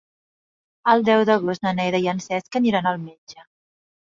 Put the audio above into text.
El deu d'agost na Neida i en Cesc aniran al metge.